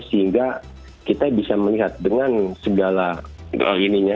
sehingga kita bisa melihat dengan segala ininya